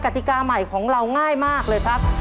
ติกาใหม่ของเราง่ายมากเลยครับ